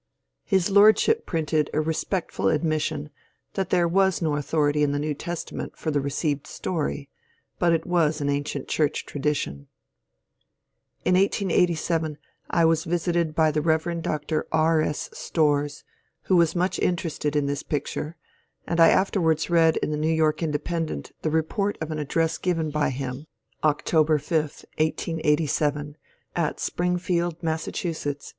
His lordship printed a respect ful admission that there was no authority in the New Testament for the receiTcd story, hut it was an ancient Church tradition. In 1887 I was visited hy the Rey. Dr. R. S. Storrs, who was much in terested in this picture, and I afterwards read in the New York Inde^ pendent the report of an address given hy him, Octoher 5, 1887, at Spring field, Mass.